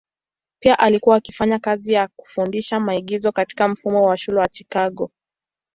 Pia alikuwa akifanya kazi ya kufundisha maigizo katika mfumo wa shule ya Chicago.